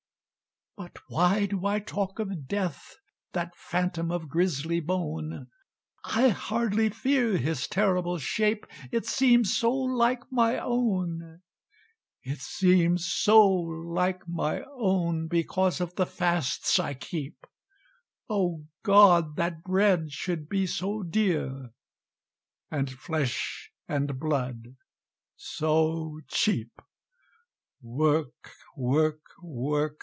"But why do I talk of Death? That Phantom of grisly bone, I hardly fear his terrible shape, It seems so like my own It seems so like my own, Because of the fasts I keep; Oh, God! that bread should be so dear, And flesh and blood so cheap!" "Work work work!"